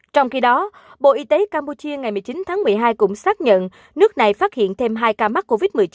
trong khi đó bộ y tế campuchia ngày một mươi chín tháng một mươi hai cũng xác nhận nước này phát hiện thêm hai ca mắc covid một mươi chín